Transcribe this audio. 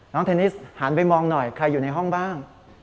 เทนนิสหันไปมองหน่อยใครอยู่ในห้องบ้าง